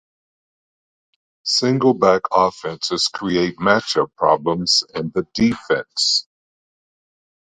Single back offenses create match-up problems in the defense.